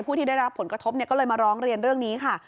ที่ได้รับผลกระทบก็เลยมาร้องเรียนเรื่องนี้ค่ะ